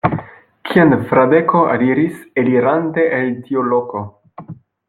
Kien Fradeko aliris, elirante el tiu loko?